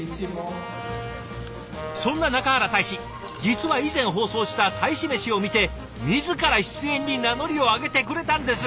そんな中原大使実は以前放送した「大使メシ」を見て自ら出演に名乗りを上げてくれたんです！